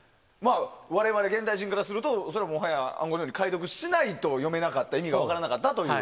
我々現代人からするとそれはもはや暗号のように解読しないと読めなかった意味が分からなかったと。